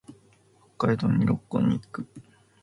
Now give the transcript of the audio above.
北海道に旅行に行く。